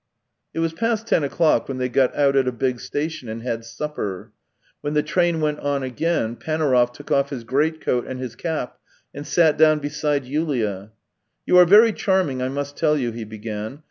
It was past ten o'clock when they got out at a big station and had supper. When the train went on again Panaurov took off his greatcoat and his cap, and sat down beside Yulia. " You are very charming, I must tell you," he began.